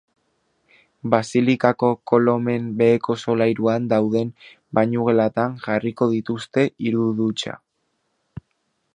Basilikako kolomen beheko solairuan dauden bainugelatan jarriko dituzte hiru dutxa.